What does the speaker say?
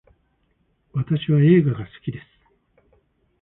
私は映画が好きです